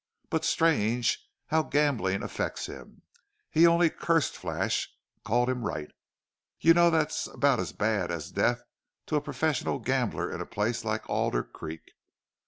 But strange how gambling affects him! He only cursed Flash called him right. You know that's about as bad as death to a professional gambler in a place like Alder Creek.